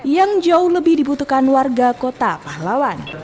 yang jauh lebih dibutuhkan warga kota pahlawan